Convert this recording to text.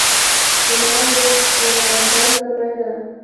زما ورور یو غیرتمند زلمی ده